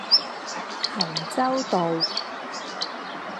衡州道